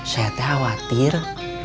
saya teh khawatir